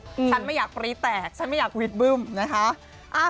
ฉันไม่อยากปรี๊แตกฉันไม่อยากวีดบึ้มนะคะ